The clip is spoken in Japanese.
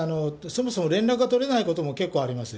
そもそも連絡が取れないことも結構あります。